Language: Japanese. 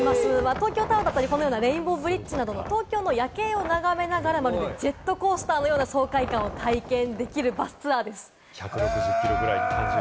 東京タワーだったり、レインボーブリッジの東京の夜景を眺めながらまるでジェットコースターのような爽快感を面白い。